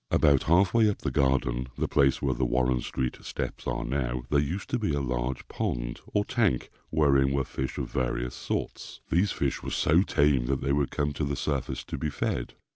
About half way up the garden, the place where the Warren street steps are now, there used to be a large pond or tank wherein were fish of various sorts. These fish were so tame that they would come to the surface to be fed.